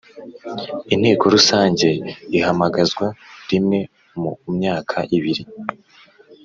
Inteko rusange ihamagazwa rimwe mu myaka ibiri